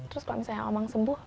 terus kalau misalnya omong sembuh